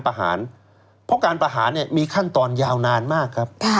เพราะการประหารมีขั้นตอนยาวนานมากครับ